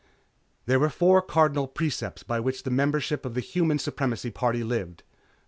There were four cardinal precepts by which the membership of the Human Supremacy Party lived.